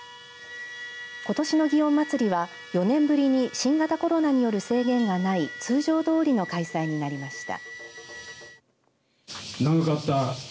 ことしの祇園祭は４年ぶりに新型コロナによる制限がない通常どおりの開催になりました。